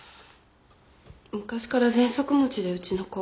昔からぜんそく持ちでうちの子。